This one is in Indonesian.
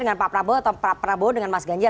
dengan pak prabowo atau pak prabowo dengan mas ganjar